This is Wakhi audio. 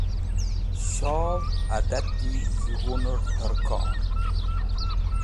Shov adati joynẽr dẽrkor.